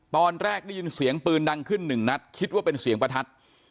ตอนแรกได้ยินเสียงปืนดังขึ้นหนึ่งนัดคิดว่าเป็นเสียงประทัด